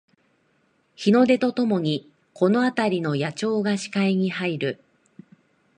日の出とともにこのあたりの野鳥が視界に入る